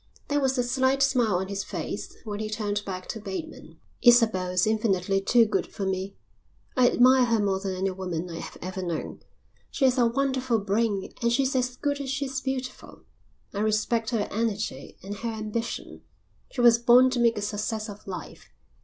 There was a slight smile on his face when he turned back to Bateman. "Isabel is infinitely too good for me. I admire her more than any woman I have ever known. She has a wonderful brain and she's as good as she's beautiful. I respect her energy and her ambition. She was born to make a success of life.